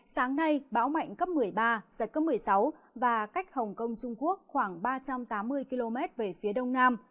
sáng nay bão mạnh cấp một mươi ba giật cấp một mươi sáu và cách hồng kông trung quốc khoảng ba trăm tám mươi km về phía đông nam